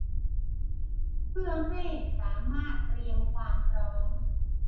เพื่อให้สามารถเตรียมความพร้อม